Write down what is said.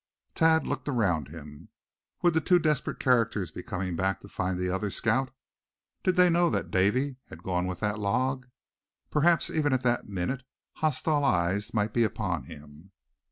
Thad looked around him. Would the two desperate characters be coming back to find the other scout? Did they know that Davy had gone with that log? Perhaps even at that minute hostile eyes might be upon him!